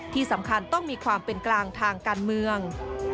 ที่สำคัญต้องมีความเป็นกลางทางการเมือง